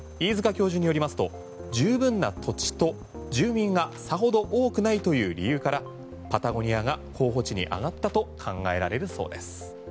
教授によりますと十分な土地と、住民がさほど多くないという理由からパタゴニアが候補地に挙がったと考えられるそうです。